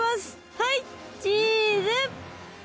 はいチーズ。